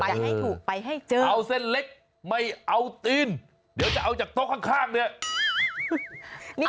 จะให้ถูกไปให้เจอเอาเส้นเล็กไม่เอาตีนเดี๋ยวจะเอาจากโต๊ะข้างเนี่ย